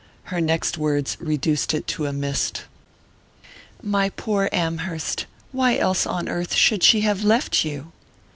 Her next words reduced it to a mist. "My poor Amherst why else, on earth, should she have left you?"